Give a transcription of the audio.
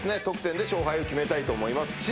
得点で勝敗を決めたいと思います。